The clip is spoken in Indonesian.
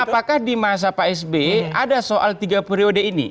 apakah di masa pak sby ada soal tiga periode ini